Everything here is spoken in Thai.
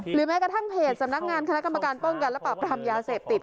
แม้กระทั่งเพจสำนักงานคณะกรรมการป้องกันและปรับปรามยาเสพติด